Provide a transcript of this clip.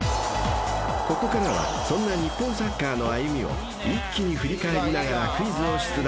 ［ここからはそんな日本サッカーの歩みを一気に振り返りながらクイズを出題］